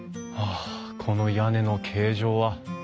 あこの屋根の形状は。